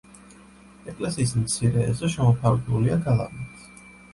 ეკლესიის მცირე ეზო შემოფარგლულია გალავნით.